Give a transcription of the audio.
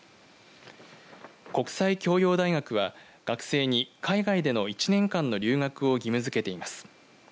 国際教養大学は、学生に海外での１年間の留学を義務づけています。